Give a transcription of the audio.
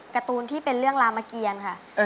การ์ตูนที่เป็นเรื่องรามเกียรค่ะ